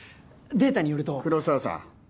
データによると黒沢さん